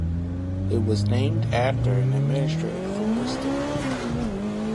It was named after and administered from Whiston.